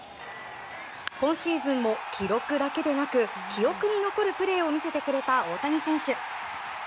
今シーズンも記録だけでなく記憶に残るプレーを見せてくれた大谷選手。